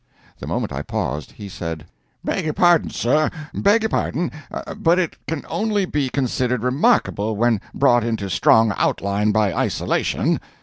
The moment I paused, he said: "Beg your pardon, sir, beg your pardon, but it can only be considered remarkable when brought into strong outline by isolation.